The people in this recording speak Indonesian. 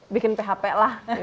bikin php lah